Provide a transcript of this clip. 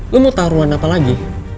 lo mau taruhan apa lagi